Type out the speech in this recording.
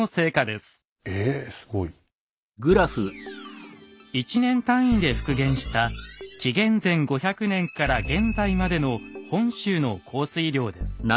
すごい！１年単位で復元した紀元前５００年から現在までの本州の降水量です。